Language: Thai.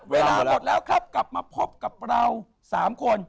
เวลาหมดแล้วครับกลับมาพบกับเรา๓คน